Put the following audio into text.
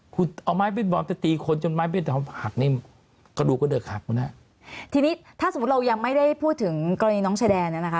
คุณเอาไม้เบสบอลแต่ตีคนจนไม้เบสบอลหักนี่กระดูกก็เดิกหักมาเนี้ยทีนี้ถ้าสมมติเรายังไม่ได้พูดถึงกรณีน้องชายแดนเนี้ยนะคะ